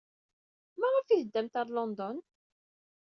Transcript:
Maɣef ay teddamt ɣer London?